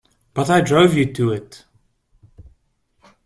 But I drove you to it.